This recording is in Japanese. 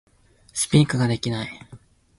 Speak ができない